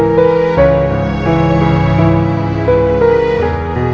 bapak perlu berjenasa